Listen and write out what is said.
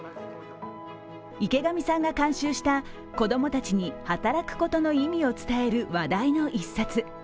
池上さんが監修した子供たちに働くことの意味を伝える話題の１冊。